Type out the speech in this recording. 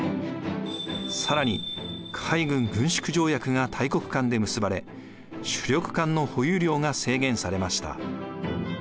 更に海軍軍縮条約が大国間で結ばれ主力艦の保有量が制限されました。